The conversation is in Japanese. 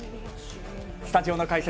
スタジオの解説